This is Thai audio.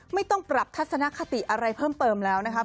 ไม่ต้องปรับทัศนคติอะไรเพิ่มเติมแล้วนะคะ